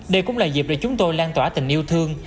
đây cũng là dịp để chúng tôi lan tỏa tình yêu thương